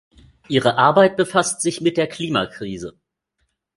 Ihre Arbeit befasst sich mit der Klimakrise.